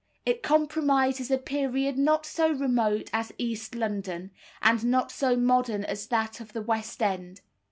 It comprises a period not so remote as East London, and not so modern as that of the West End.